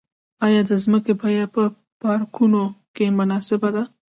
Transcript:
آیا د ځمکې بیه په پارکونو کې مناسبه ده؟